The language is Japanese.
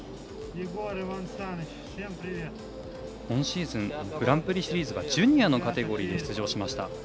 今シーズン、グランプリシリーズジュニアのカテゴリで出場しました。